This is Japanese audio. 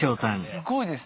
すごいですね。